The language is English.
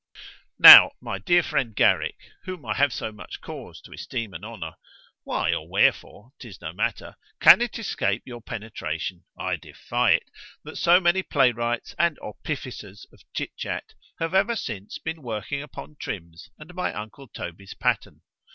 Now, my dear friend Garrick, whom I have so much cause to esteem and honour—(why, or wherefore, 'tis no matter)—can it escape your penetration—I defy it—that so many play wrights, and opificers of chit chat have ever since been working upon Trim's and my uncle Toby's pattern.